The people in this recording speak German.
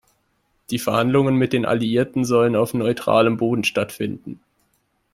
Die Verhandlungen mit den Alliierten sollen auf neutralem Boden stattfinden.